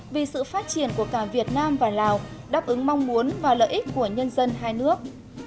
vì sự phát triển của cả việt nam và lào đáp ứng mong muốn và lợi ích của nhân dân hai nước